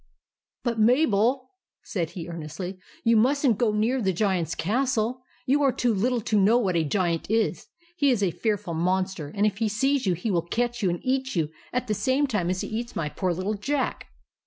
"But, Mabel," said he, earnestly, "you must n't go near the Giant's castle. You are too little to know what a Giant is. He is a fearful monster, and if he sees you he will catch you and eat you at the same time as he eats my poor little Jack."